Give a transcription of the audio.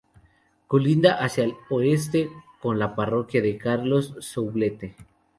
Colinda hacia el oeste con la parroquia Carlos Soublette.